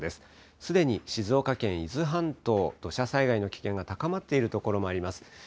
すでに静岡県・伊豆半島、土砂災害の危険が高まっている所もあります。